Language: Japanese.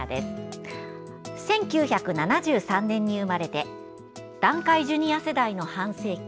「１９７３年に生まれて団塊ジュニア世代の半世紀」